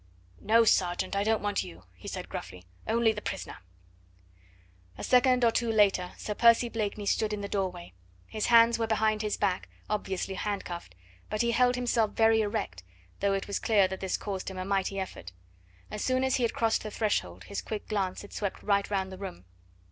"No, sergeant, I don't want you," he said gruffly; "only the prisoner." A second or two later Sir Percy Blakeney stood in the doorway; his hands were behind his back, obviously hand cuffed, but he held himself very erect, though it was clear that this caused him a mighty effort. As soon as he had crossed the threshold his quick glance had swept right round the room.